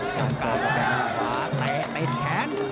เจ้าหังเปรียแตะเป็นแขน